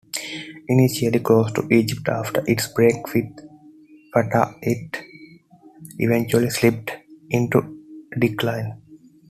Initially close to Egypt after its break with Fatah, it eventually slipped into decline.